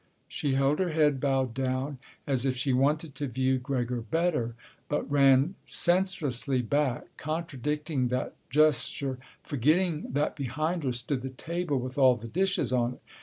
She held her head bowed down, as if she wanted to view Gregor better, but ran senselessly back, contradicting that gesture, forgetting that behind her stood the table with all the dishes on it.